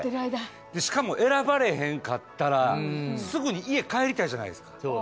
しかも選ばれへんかったら、すぐに家に帰りたいじゃないですか。